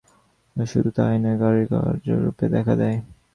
শুধু তাহাই নয়, কারণই কার্যরূপে দেখা দেয়।